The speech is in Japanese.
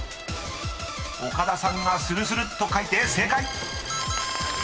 ［岡田さんがするするっと書いて正解！］